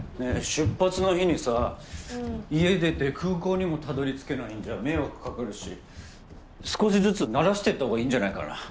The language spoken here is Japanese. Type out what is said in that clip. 出発の日にさ家出て空港にもたどり着けないんじゃ迷惑かかるし少しずつ慣らしていったほうがいいんじゃないかな？